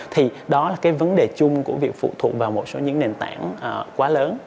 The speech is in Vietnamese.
thì đó là cái vấn đề chung của việc phụ thuộc vào một số những nền tảng quá lớn